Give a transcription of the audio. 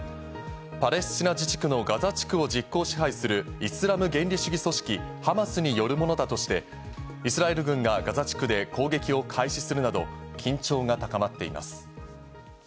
パレスチナ自治区のガザ地区を実効支配するイスラム原理主義組織ハマスによるものだとして、イスラエル軍がガザ地区で攻撃を開始するなど緊張が高まっています。